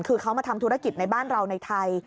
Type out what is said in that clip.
คือเขามาทำธุรกิจในบ้านเราในไทย